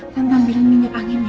kan tampilan minyak angin ya